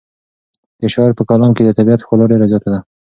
د شاعر په کلام کې د طبیعت ښکلا ډېره زیاته ده.